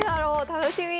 楽しみ！